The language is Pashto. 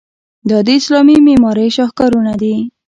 دا د اسلامي معمارۍ شاهکارونه دي.